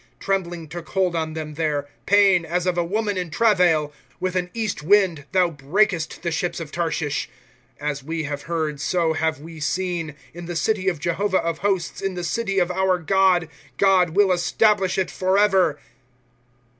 ^ Trembling took hold on them there. Pain, as of a woman in travail. ^ With an east wind, Thou breakest the ships of Tarshish. ^ As we hfive heard, so have we seen. In the city of Jehovah of hosts, in the city of our God ; God will establish it forever.